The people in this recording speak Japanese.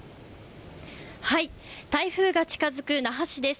台風が近づく那覇市です。